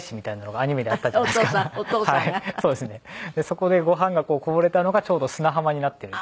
そこでご飯がこぼれたのがちょうど砂浜になっている。